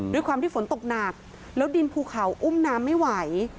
ด้วยความที่ฝนตกหนักแล้วดินภูเขาอุ้มน้ำไม่ไหว